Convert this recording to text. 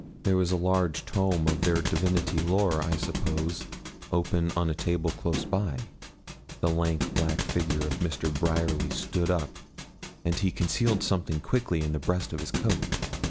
There was a large tome of their divinity lore, I suppose, open on the table close by. The lank black figure of Mr. Bryerly stood up, and he concealed something quickly in the breast of his coat.